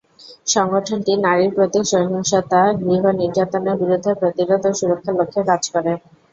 সংগঠনটি নারীর প্রতি সহিংসতা, গৃহ নির্যাতনের বিরুদ্ধে প্রতিরোধ ও সুরক্ষার লক্ষ্যে কাজ করে।